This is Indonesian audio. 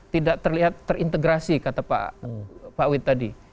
tidak terlihat terintegrasi kata pak wit tadi